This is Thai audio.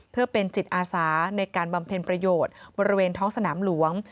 เพื่อเป็นจิตอาสาในการบำเพ็ญประโยชน์บริเวณท้องสนามหลวง